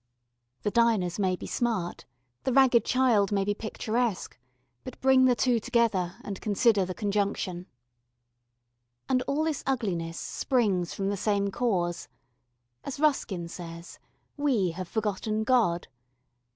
The diners may be smart, the ragged child may be picturesque but bring the two together, and consider the conjunction. [Illustration: THE HIDEOUS DISFIGUREMENT.] And all this ugliness springs from the same cause. As Ruskin says: "We have forgotten God."